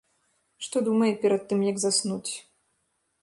Што думае перад тым як заснуць.